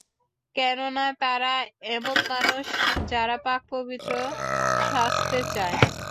কেননা, তারা এমন মানুষ যারা পাক-পবিত্র সাজতে চায়।